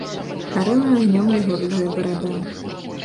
Гарэла агнём яго рыжая барада.